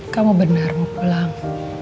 kamu bener mau pulang